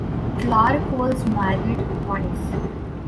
Clarke was married twice.